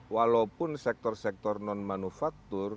walaupun sektor sektor non manufaktur